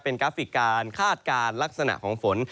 กราฟิกการคาดการณ์ลักษณะของฝน